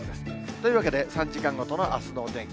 というわけで、３時間ごとのあすのお天気。